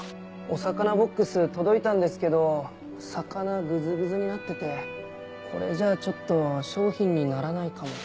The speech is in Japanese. お魚ボックス届いたんですけど魚グズグズになっててこれじゃちょっと商品にならないかも。